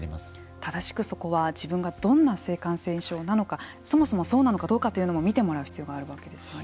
正しくそこは自分がどんな性感染症なのかそもそもそうなのかどうかというのも診てもらう必要があるわけですね。